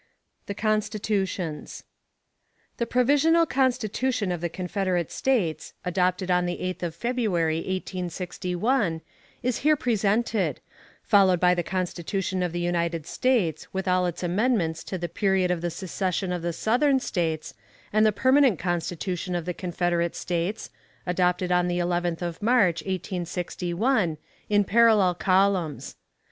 THE CONSTITUTIONS. The Provisional Constitution of the Confederate States, adopted on the 8th of February, 1861, is here presented, followed by the Constitution of the United States, with all its amendments to the period of the secession of the Southern States, and the permanent Constitution of the Confederate States (adopted on the 11th of March, 1861), in parallel columns.